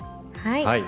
はい。